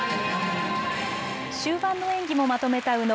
終盤の演技もまとめた宇野。